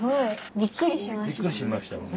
びっくりしましたよね。